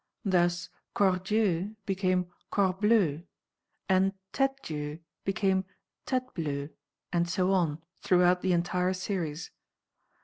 Thus cordieu became CORBLEU and têtedieu became TÊTEBLEU, and so on throughout the entire series.